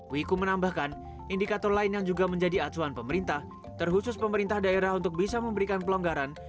wiku menambahkan indikator lain yang juga menjadi acuan pemerintah terkhusus pemerintah daerah untuk bisa memberikan pelonggaran